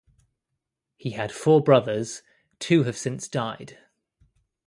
He had four brothers, two have since died.